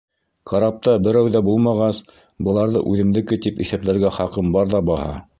Карапта берәү ҙә булмағас, быларҙы үҙемдеке тип иҫәпләргә хаҡым бар ҙа баһа!